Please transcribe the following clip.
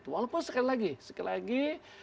walaupun sekali lagi